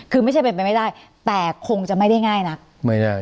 คือไม่ใช่เป็นไปไม่ได้แต่คงจะไม่ได้ง่ายนักไม่ได้